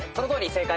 正解。